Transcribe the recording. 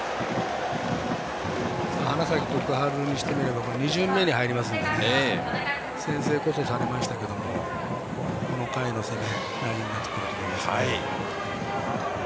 花咲徳栄にしてみれば２巡目に入りますので先制こそされましたけどもこの回の攻め大事になってくると思います。